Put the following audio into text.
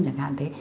chẳng hạn thế